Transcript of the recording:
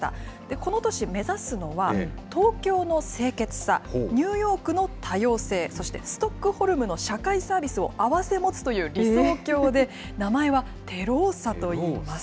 この都市、目指すのは、東京の清潔さ、ニューヨークの多様性、そしてストックホルムの社会サービスを併せ持つという理想郷で、名前はテローサといいます。